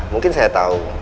mungkin saya tahu